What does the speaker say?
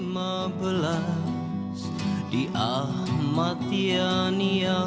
nah terima kasih